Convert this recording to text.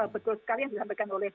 betul sekali yang disampaikan oleh